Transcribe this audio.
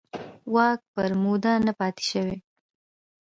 واک پر موده نه پاتې شوي.